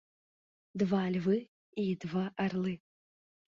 Два львы і два арлы.